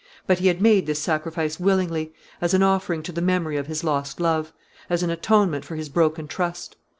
But he had made this sacrifice willingly as an offering to the memory of his lost love; as an atonement for his broken trust.